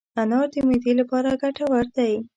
انار د معدې لپاره ګټور دی.